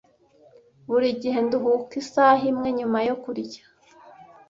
Buri gihe nduhuka isaha imwe nyuma yo kurya.